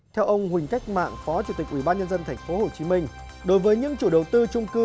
theo ông huỳnh cách mạng phó chủ tịch ubnd tp hcm đối với những chủ đầu tư trung cư